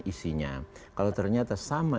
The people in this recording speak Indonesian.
isinya kalau ternyata sama